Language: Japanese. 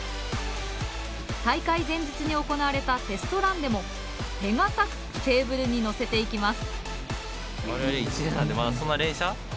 大会前日に行われたテストランでも手堅くテーブルにのせていきます。